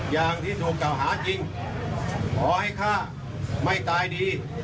อย่างที่ถูกเก่าหาจริงขอให้ฆ่าไม่ตายดี